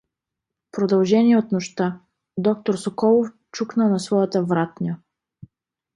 Продължение от нощта Доктор Соколов чукна на своята вратня.